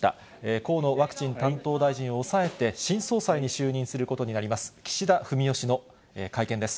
河野ワクチン担当大臣を抑えて、新総裁に就任することになります、岸田文雄氏の会見です。